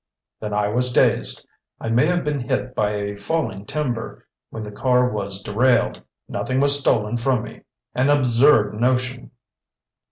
"Then I was dazed. I may have been hit by a falling timber when the car was derailed. Nothing was stolen from me. An absurd notion!"